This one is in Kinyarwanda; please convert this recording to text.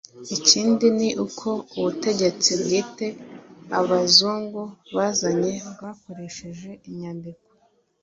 ikindi ni uko ubutegetsi bwite abazungu bazanye bwakoresheje inyandiko